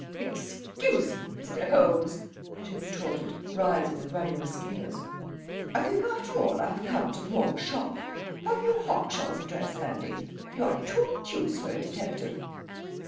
"Excuse me, Mr. Holmes," she retorted, rising and running the scales. "I think, after all, I have come to the wrong shop. Have you Hawkshaw's address handy? You are too obtuse for a detective."